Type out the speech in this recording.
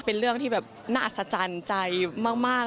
เป็นเรื่องที่แบบน่าอัศจรรย์ใจมาก